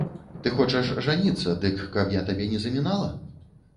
Ты хочаш жаніцца, дык каб я табе не замінала?!